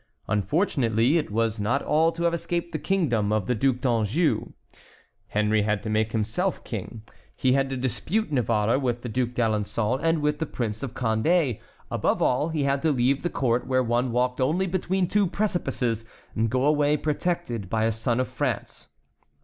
Unfortunately it was not all to have escaped the kingdom of the Duc d'Anjou. Henry had to make himself king. He had to dispute Navarre with the Duc d'Alençon and with the Prince of Condé; above all he had to leave the court where one walked only between two precipices, and go away protected by a son of France.